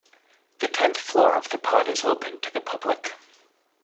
The tenth floor of the pod is open to the public.